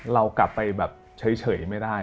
เรากลับไปแบบเฉยไม่ได้